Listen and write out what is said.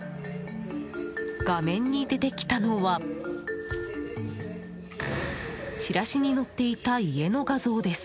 画面に出てきたのはチラシに載っていた家の画像です。